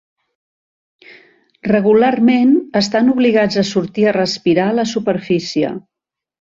Regularment, estan obligats a sortir a respirar a la superfície.